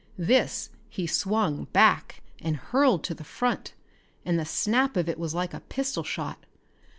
This he swung back and hurled to the front, and the snap of it was like a pistol shot.